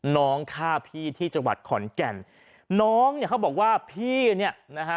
น้องฆ่าพี่ที่จังหวัดขอนแก่นน้องเนี่ยเขาบอกว่าพี่เนี่ยนะฮะ